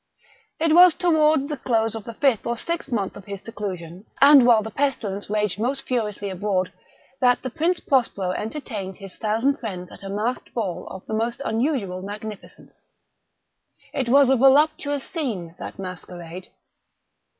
It was toward the close of the fifth or sixth month of his seclusion, and while the pestilence raged most furiously abroad, that the Prince Prospero entertained his thousand friends at a masked ball of the most unusual magnificence. It was a voluptuous scene, that masquerade.